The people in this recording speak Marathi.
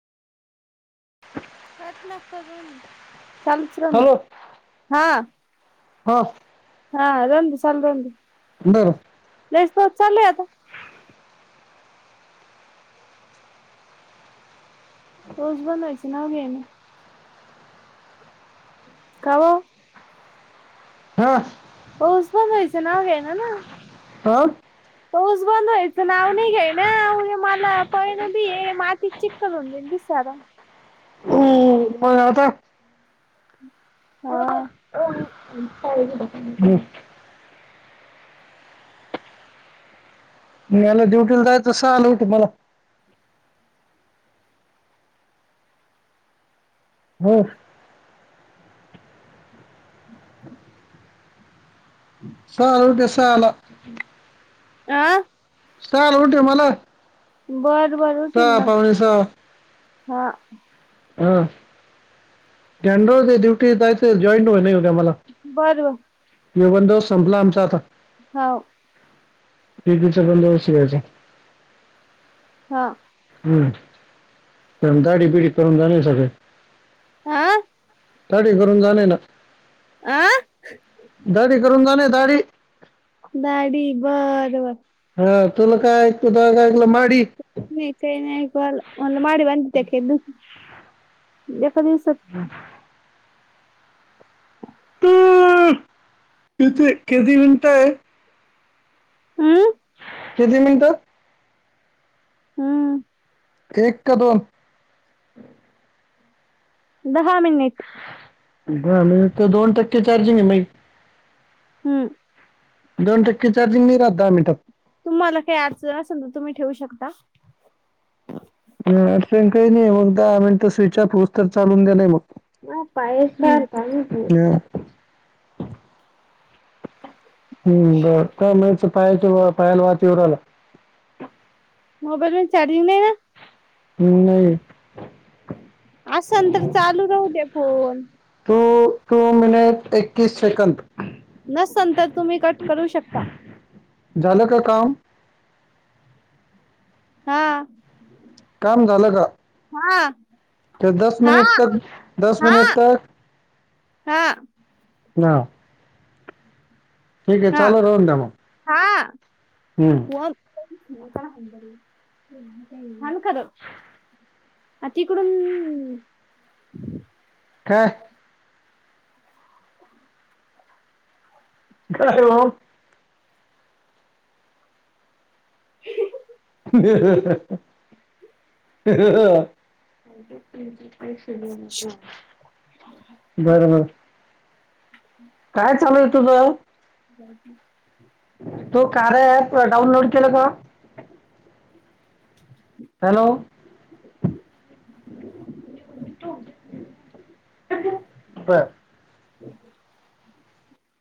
प्रयत्न करून चालुच राहुदे. हों. हां दोन दिवसान लावून दे. बरं. लयच पाऊस चालय आता रोज बनवायचं नाव घेईन. का ओ. हा पाऊस बंद व्हायचं नांव घेईना ना. हा पाऊस बंद व्हायचं नाव नाही घेईना ना मला पळन बी ये माती चीख. कल होंडीडी साडा. हम्म, बनवता. हां. [unintelligible] याला ड्युटीला जायचं सहाला उठूव मला. बरं. सहाला [inaudible] सहाला. [inaudible] आं. सहाला उठीव मला. बरं बरं सहा उठीन ना, पावणे हां. हम्. जनरल ड्युटी जायच जॉईन [unintelligible] होईना न मला. बरं ब. येवंद संपला आमचं आता. होंव. ते भी सगळं लोड शेअर्स. [inaudible] हां. हम्म, पण दाडी बिडी करून झालंय सगळ. हां. दाडी करून झालंय ना. आं. दाडी करून झालंय दाडी. दाडी बरं ब. ह्म्म तुला काय ऐक [inaudible] ऐकलं माडी? नाही ते नाही ऐकू आलं म्हटलं माडी बांधत्यात हे दुस, एका दिवसात. [inaudible] किती किती मिनिटं आहे. हम्. किती मिनिटं? हम्म. एक का दोन. दहा मिनिटं दहा मिनिटं तर दोन टक्के चार्जिंग आहे मै. हम. दोन टक्के चार्जिंग नाही राहत दहा मिनिटात. तुम्हाला काही अडचण असेल तर तुम्ही ठेवू शकता. य अडचण काही नाही मग दहा मिनटं स्विच ऑफ होत तर चालून दिलाय मग. हम्म [unintelligible] हम् बरं का [inaudible] पायाच्या पायाला वात येऊ लागल्या. मोबाईल मध्ये चार्जिंग नाही ना. नाही आसन तर चालू राहू दे फोन टू-टू मिनिट एक्कीस सेकंद नसणं तर तुम्ही कट करू शकता झालं का काम हा काम झाल का हा दस हा मिनट तक दस हा मिनट तक हा णा ठीक आहे हा चालू राहून द्या मग हा हम्म [unintelligible] आण खरं तिकडून का हॅल्लो ब [inaudible] ह ह [inaudible] आणि ते पिरियड सुरु आहेत ना बर-बर काय चालूय तुझ काय नाही तू कार्या ॲप डाउनलोड केल का हॅलो [unintelligible] हम् [unintelligible]